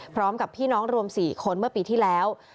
พร้อมกับพี่น้องรวม๔คนเมื่อปีที่แล้ว